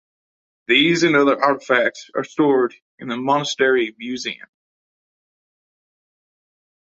These and other artifacts are stored in the monastery museum.